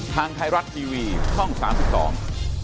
ทางไทรัตท์ทีวีช่อง๓๒